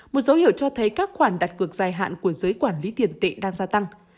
một dấu hiệu cho thấy các khoản đặt cược dài hạn của giới quản lý tiền tệ đang gia tăng